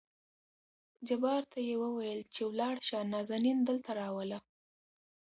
جبار ته يې ووېل چې ولاړ شه نازنين دلته راوله.